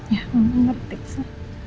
ya mama ngerti sa